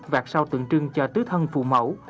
thân trong tượng trưng cho tứ thân phụ mẫu